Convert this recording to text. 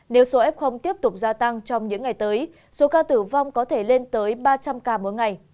nếu số f tiếp tục gia tăng trong những ngày tới số ca tử vong có thể lên tới ba trăm linh ca mỗi ngày